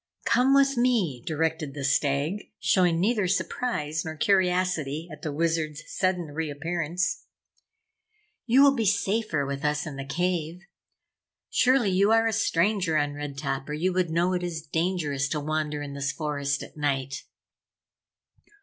"Come with me!" directed the Stag, showing neither surprise nor curiosity at the Wizard's sudden reappearance. "You will be safer with us in the cave. Surely you are a stranger on Red Top or you would know it is dangerous to wander in this forest at night."